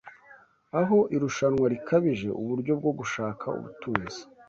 aho irushanwa rikabije, uburyo bwo gushaka ubutunzi